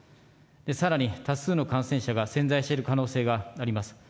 さらに多数の感染者が潜在している可能性があります。